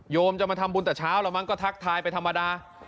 จะมาทำบุญแต่เช้าแล้วมั้งก็ทักทายไปธรรมดา